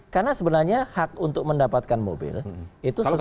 karena sebenarnya hak untuk mendapatkan mobil itu sesuai dengan